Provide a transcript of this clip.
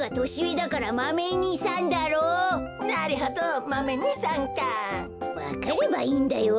わかればいいんだよわかれば。